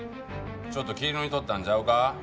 ちょっと気ぃ抜いとったんちゃうか？